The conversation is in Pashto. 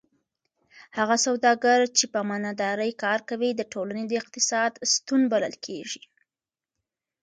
هغه سوداګر چې په امانتدارۍ کار کوي د ټولنې د اقتصاد ستون بلل کېږي.